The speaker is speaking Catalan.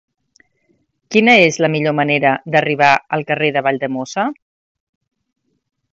Quina és la millor manera d'arribar al carrer de Valldemossa?